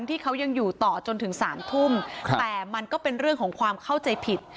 ที่เขายังอยู่ต่อจนถึงสามทุ่มแต่มันก็เป็นเรื่องของความเข้าใจผิด